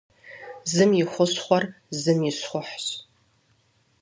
Зым и хущхъуэ зым и щхъухьщ.